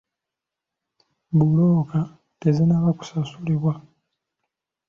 Bbulooka tezinnaba kusasulibwa.